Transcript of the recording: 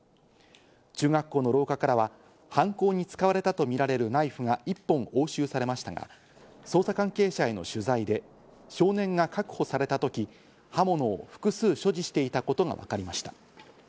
中学校の廊下からは犯行に使われたとみられるナイフが１本押収されましたが、捜査関係者への取材で、少年が確保されたとき刃物を複数所持していたことがわかりました。